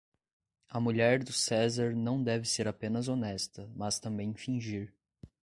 A mulher do César não deve ser apenas honesta, mas também fingir.